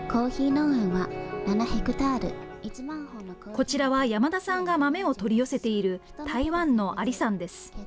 こちらは山田さんが豆を取り寄せている、台湾の阿里山です。